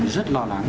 rất lo lắng